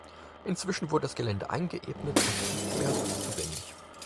Inzwischen wurde das Gelände eingeebnet und ist nicht mehr zugänglich.